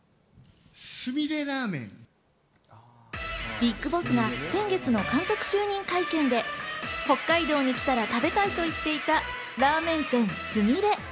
ＢＩＧＢＯＳＳが先月の監督就任会見で、北海道に来たら食べたいと言っていたラーメン店・すみれ。